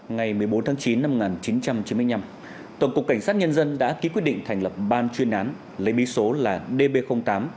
ngày một mươi bốn tháng chín năm một nghìn chín trăm chín mươi năm tổng cục cảnh sát nhân dân đã ký quyết định thành lập ban chuyên án